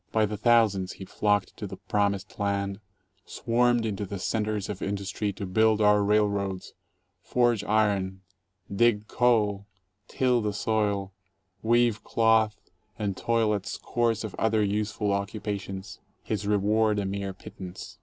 By the thousands he flocked to the promised land, swarmed into the centers of industry to build our railroads, forge iron, dig coal, till the soil, weave cloth, and toil at scores of other useful oc cupations, his reward a mere pittance.